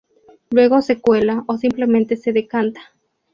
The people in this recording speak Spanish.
Luego se cuela o simplemente se decanta.